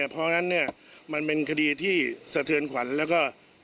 เพราะฉะนั้นเนี่ยมันเป็นคดีที่สะเทือนขวัญแล้วก็